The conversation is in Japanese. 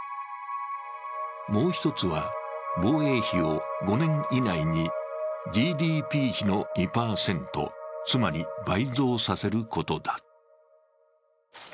もう一つは、防衛費を５年以内にＧＤＰ比の２％つまり倍増させることだ。